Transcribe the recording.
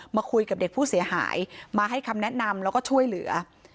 มาคุยกับเด็กผู้เสียหายมาให้คำแนะนำแล้วก็ช่วยเหลือ